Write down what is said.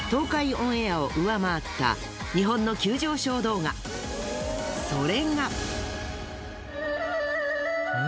オンエアを上回った日本の急上昇動画それが。